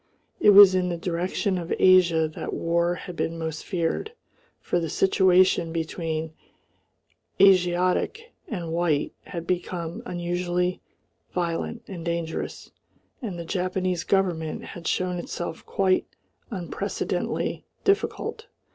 It was in the direction of Asia that war had been most feared, for the situation between Asiatic and white had become unusually violent and dangerous, and the Japanese government had shown itself quite unprecedentedly difficult.